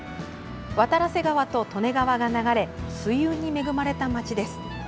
渡良瀬川と利根川が流れ水運に恵まれた街です。